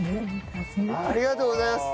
ありがとうございます！